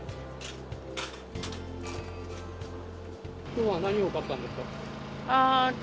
今日は何を買ったんですか？